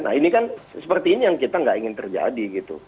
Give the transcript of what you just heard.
nah ini kan seperti ini yang kita nggak ingin terjadi gitu